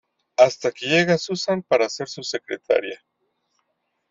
Hasta que llega Susan para ser su secretaria.